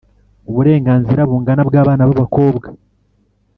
uburenganzira bungana bw’abana b’abakobwa: